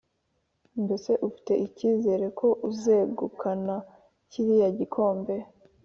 mbese ufite icyizere ko uzegukana kiriya gikombe